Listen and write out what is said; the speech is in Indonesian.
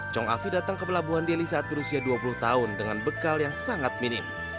chong afi datang ke pelabuhan delhi saat berusia dua puluh tahun dengan bekal yang sangat minim